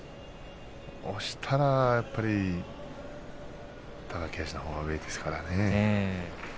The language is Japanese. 押したらやっぱり貴景勝のほうが上ですからね。